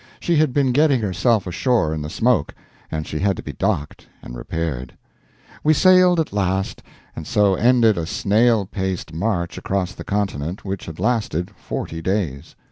She had been getting herself ashore in the smoke, and she had to be docked And repaired. We sailed at last; and so ended a snail paced march across the continent, which had lasted forty days.